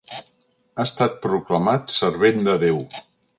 Ha estat proclamat Servent de Déu.